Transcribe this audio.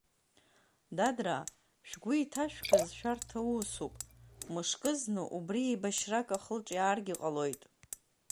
Дадраа, шәгәы иҭашәкыз шәарҭа усуп, мышкы зны убри еибашьрак ахылҿиааргьы ҟалоит!